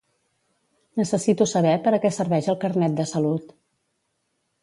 Necessito saber per a què serveix el Carnet de salut.